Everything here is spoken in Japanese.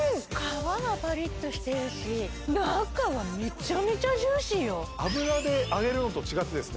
皮がパリッとしてるし中はめちゃめちゃジューシーよ油で揚げるのと違ってですね